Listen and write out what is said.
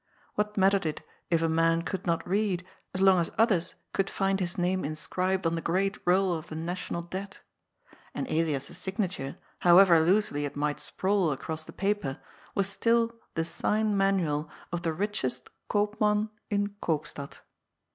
What mattered it if a man could not read, as long as others could find his name inscribed on the great roll of the National Debt? And Elias's signature, however loosely it might sprawl across the paper, was still the sign manual of the richest " koopman" in Koopstad.